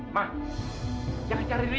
mak jangan cari ibu dong